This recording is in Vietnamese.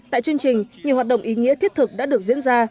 tại chương trình nhiều hoạt động ý nghĩa thiết thực đã được diễn ra